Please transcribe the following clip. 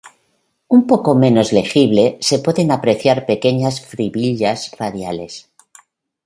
Un poco menos legible se pueden apreciar pequeñas fibrillas radiales.